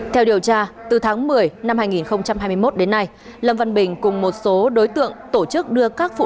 theo điều tra từ tháng một mươi năm hai nghìn hai mươi một đến nay lâm văn bình cùng một số đối tượng tổ chức đưa các phụ